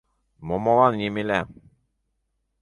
Момолан Емеля.